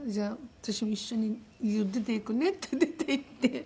私も一緒に家を出て行くねって出て行って。